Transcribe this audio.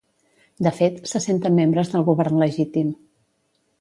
De fet, se senten membres del govern legítim.